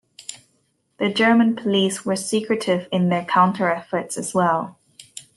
The German police were secretive in their counter efforts as well.